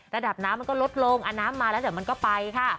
ระดับน้ำมันก็ลดลงน้ำมาแล้วเดี๋ยวมันก็ไปค่ะ